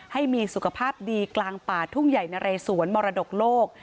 ให้มีสุขภาพดีกลางป่าทุ่งใหญ่นะเรสวนมรดกโลก